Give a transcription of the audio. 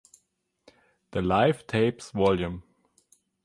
The Live Tapes Vol.